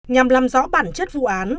nhằm làm rõ bản chất vụ án